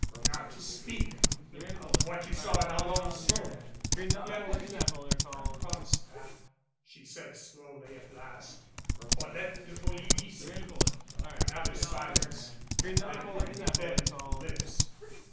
"Not to speak of what you saw at Alen9on." "Yes. I promise that," she said slowly at last. "Or let De Folligny speak?" Another silence. And then from thinned lips.